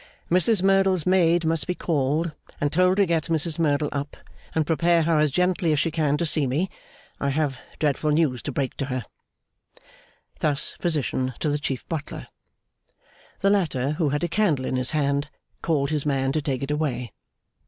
'Mrs Merdle's maid must be called, and told to get Mrs Merdle up, and prepare her as gently as she can to see me. I have dreadful news to break to her.' Thus Physician to the Chief Butler. The latter, who had a candle in his hand, called his man to take it away.